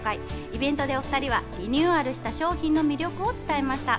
イベントでお２人はリニューアルした商品の魅力を伝えました。